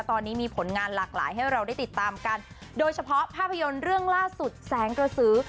ตอนนี้มีผลงานหลากหลายให้เราได้ติดตามกันโดยเฉพาะภาพยนตร์เรื่องล่าสุดแสงกระสือ